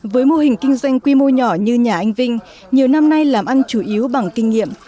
với mô hình kinh doanh quy mô nhỏ như nhà anh vinh nhiều năm nay làm ăn chủ yếu bằng kinh nghiệm